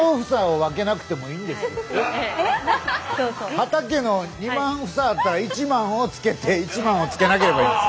畑の２万房あったら１万をつけて１万はつけなければいいんです。